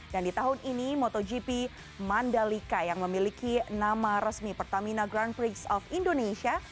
dan di tahun ini motogp mandalika yang memiliki nama resmi pertamina grand prix of indonesia